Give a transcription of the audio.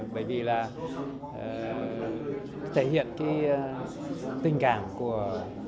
bởi vì là thể hiện tình cảm của